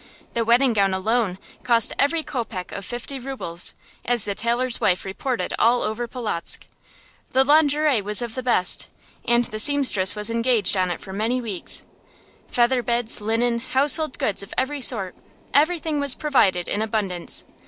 The wedding gown alone cost every kopeck of fifty rubles, as the tailor's wife reported all over Polotzk. The lingerie was of the best, and the seamstress was engaged on it for many weeks. Featherbeds, linen, household goods of every sort everything was provided in abundance.